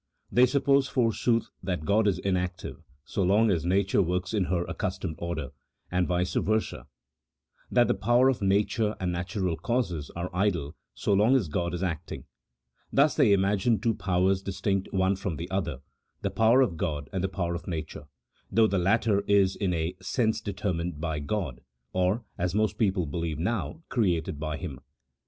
They suppose, forsooth, that God is inactive so long as nature works in her accustomed order, and vice versa, that the power of nature and natural causes are idle so long as God is acting : thus they imagine two powers distinct one from the other, the power of God and the power of nature, though the latter is in a sense determined by God, or (as most people believe now) created by Him.